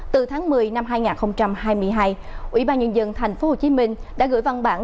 từ tháng một mươi năm hai nghìn hai mươi hai ủy ban nhân dân tp hcm đã gửi văn bản